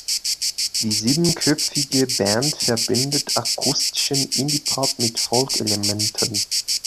Die siebenköpfige Band verbindet akustischen Indie-Pop mit Folk-Elementen.